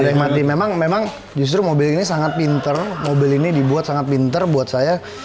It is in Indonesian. yang mati memang justru mobil ini sangat pinter mobil ini dibuat sangat pinter buat saya